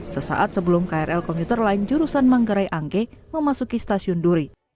sesaat sebelum krl computer line jurusan manggerai angge memasuki stasiun duri